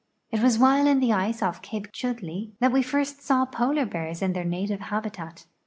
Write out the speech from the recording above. It was while in the ice off Cape Chudleigh that we first saw polar b.ears in their native habitat.